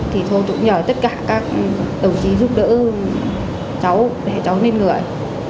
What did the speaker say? thì thôn cũng nhờ tất cả các đồng chí giúp đỡ cháu để cháu nên người